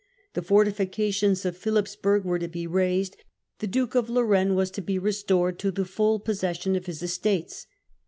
The fortifications of Philippsburg were to be razed ; the Duke of Lorraine was to be restored to the full possession of his estates.